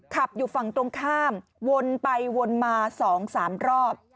ขับอยู่ฝั่งตรงข้ามวนไปวนมา๒๓รอบ